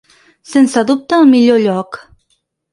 Sense dubte, el millor lloc.